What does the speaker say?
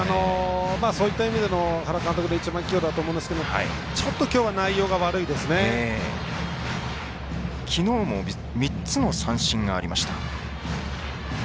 そういった意味での原監督の１番起用だと思いますけれどもきょうはちょっときのうも３つの三振がありました。